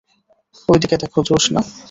ঐদিকে দেখো, জোশ না?